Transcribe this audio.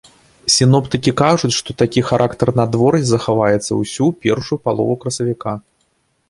Сіноптыкі кажуць, што такі характар надвор'я захаваецца ўсю першую палову красавіка.